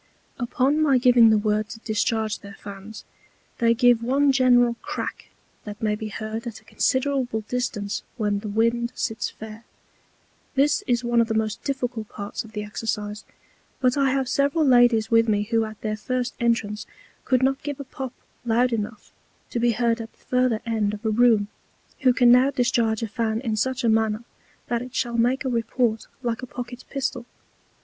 Upon my giving the Word to discharge their Fans, they give one general Crack that may be heard at a considerable distance when the Wind sits fair. This is one of the most difficult parts of the Exercise; but I have several ladies with me who at their first Entrance could not give a Pop loud enough to be heard at the further end of a Room, who can now discharge a Fan in such a manner that it shall make a Report like a Pocket Pistol.